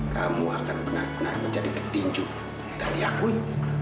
kamu akan benar benar menjadi ke tinjuk dan diakui